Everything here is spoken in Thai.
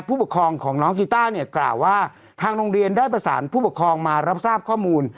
ผู้ปกครองของน้องกีต้าเนี่ยกล่าวว่าทางโรงเรียนได้ประสานผู้ปกครองมารับทราบข้อมูล